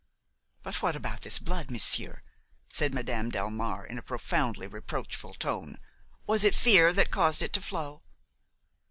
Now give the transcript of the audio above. "But what about this blood, monsieur?" said Madame Delmare in a profoundly reproachful tone, "was it fear that caused it to flow?"